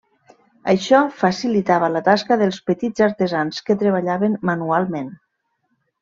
Això facilitava la tasca dels petits artesans que treballaven manualment.